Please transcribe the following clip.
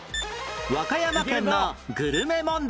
和歌山県のグルメ問題